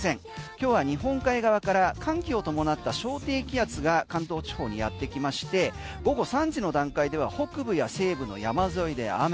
今日は日本海側から寒気を伴った小低気圧が関東地方にやってきまして午後３時の段階では北部や西部の山沿いで雨。